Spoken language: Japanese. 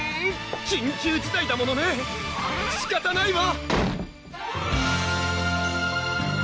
緊急事態だものねしかたないわ！